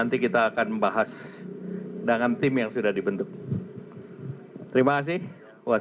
apakah ada perspayaan golkar untuk mencoba untuk memperimbang antara ini